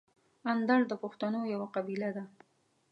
اندړ د پښتنو یوه قبیله ده.